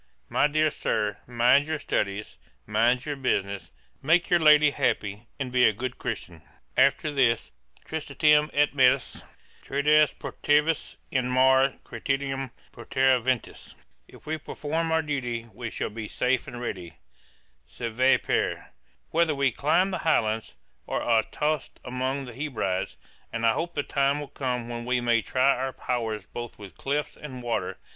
My dear Sir, mind your studies, mind your business, make your lady happy, and be a good Christian. After this, 'tristitiam et metus Trades protervis in mare Creticum Portare ventis.' 'If we perform our duty, we shall be safe and steady, "Sive per," &c., whether we climb the Highlands, or are tost among the Hebrides; and I hope the time will come when we may try our powers both with cliffs and water.